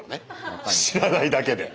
知らないだけで。